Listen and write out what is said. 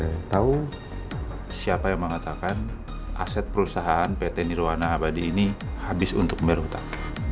kalau boleh tahu siapa yang mengatakan aset perusahaan pt nirwana abadi ini habis untuk merutak